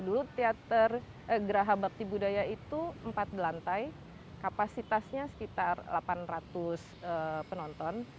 dulu teater geraha bakti budaya itu empat lantai kapasitasnya sekitar delapan ratus penonton